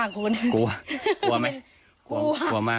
๕คนเกาะตัวไม่